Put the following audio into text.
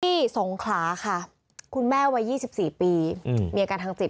สงขลาค่ะคุณแม่วัย๒๔ปีมีอาการทางจิต